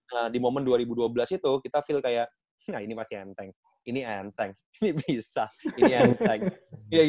nah di momen dua ribu dua belas itu kita feel kayak ini masih enteng ini enteng ini bisa ini enteng